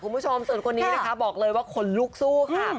คุณผู้ชมส่วนคนนี้นะคะบอกเลยว่าขนลุกสู้ค่ะ